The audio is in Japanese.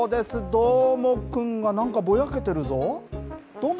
どーもくんがなんかぼやけてるぞ。